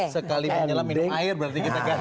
sekali menyelam minum air berarti kita ganti itu